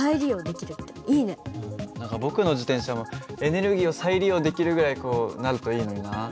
うん何か僕の自転車もエネルギーを再利用できるぐらいこうなるといいのにな。